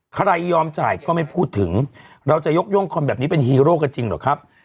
ยอมจ่ายก็ไม่พูดถึงเราจะยกย่งคนแบบนี้เป็นฮีโร่กันจริงเหรอครับ